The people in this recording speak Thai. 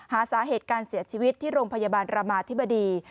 หาสาเหตุการเสียชีวิตที่โรงพยาบาลรามาธิบดี